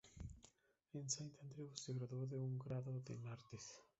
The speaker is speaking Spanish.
En Saint Andrews, se graduó de un grado en Artes.